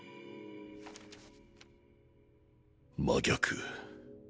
真逆